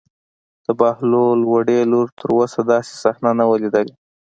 د بهلول وړې لور تر اوسه داسې صحنه نه وه لیدلې.